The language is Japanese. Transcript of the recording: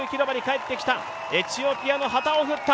エチオピアの旗を振った！